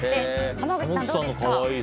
濱口さん、どうですか？